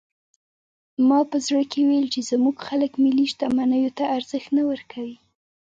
ما په زړه کې ویل چې زموږ خلک ملي شتمنیو ته ارزښت نه ورکوي.